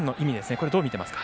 これどう見てますか？